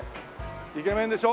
イケメンでしょ？